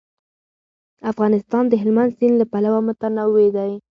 افغانستان د هلمند سیند له پلوه متنوع دی.